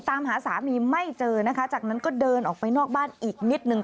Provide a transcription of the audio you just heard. ตามหาสามีไม่เจอนะคะจากนั้นก็เดินออกไปนอกบ้านอีกนิดนึง